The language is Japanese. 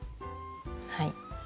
はい。